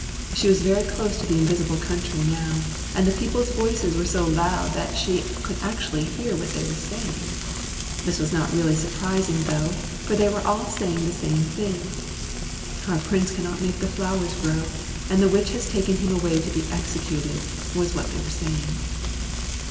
She was very close to the invisible country now, and the people's voices were so loud that she could actually hear what they were saying. This was not really sur prising, though, for they were all saying the same thing. '' Our Prince cannot make the flowers grow, and the Witch has taken him away to be exe cuted," was what they were saying.